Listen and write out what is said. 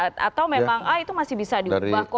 atau memang ah itu masih bisa diubah kok